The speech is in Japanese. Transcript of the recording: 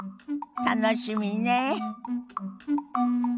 楽しみねえ。